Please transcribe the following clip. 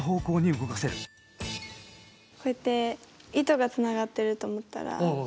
こうやって糸がつながってると思ったら。